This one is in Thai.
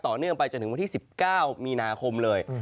เนื่องไปจนถึงวันที่๑๙มีนาคมเลย